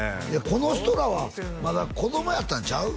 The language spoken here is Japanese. この人らはまだ子供やったんちゃう？